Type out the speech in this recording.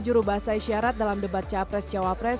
juru bahasa isyarat dalam debat capres cawapres